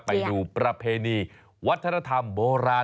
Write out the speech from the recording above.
ไปดูประเพณีวัฒนธรรมโบราณ